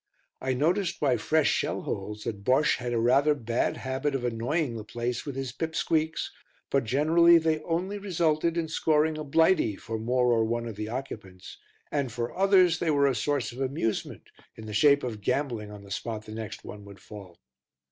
I noticed by fresh shell holes that Bosche had a rather bad habit of annoying the place with his pip squeaks, but generally they only resulted in scoring a Blighty for more or one of the occupants and, for others, they were a source of amusement in the shape of gambling on the spot the next one would fall.